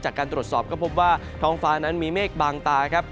จากการตรวจสอบก็พบว่าท้องฟ้านั้นมีเมฆบางตาครับ